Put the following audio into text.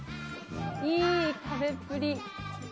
いい食べっぷり。